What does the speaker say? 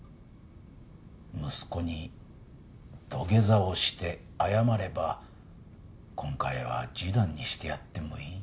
息子に土下座をして謝れば今回は示談にしてやってもいい。